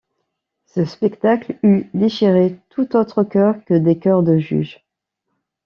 Ce spectacle eût déchiré tout autre cœur que des cœurs de juges.